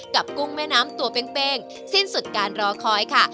กุ้งแม่น้ำตัวเป้งสิ้นสุดการรอคอยค่ะ